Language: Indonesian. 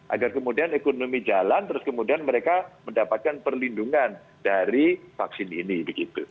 agar kemudian ekonomi jalan terus kemudian mereka mendapatkan perlindungan dari vaksin ini